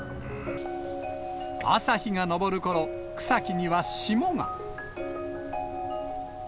朝日が昇るころ、草木には霜が。